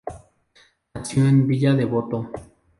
Nació en Villa Devoto.